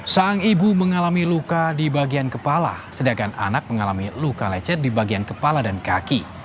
sang ibu mengalami luka di bagian kepala sedangkan anak mengalami luka lecet di bagian kepala dan kaki